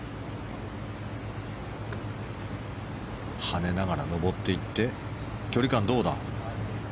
跳ねながら上っていって距離感どうだ。